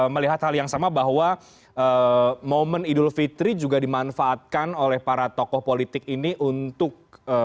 melihat hal yang sama bahwa momen idul fitri juga dimanfaatkan oleh para tokoh politik ini untuk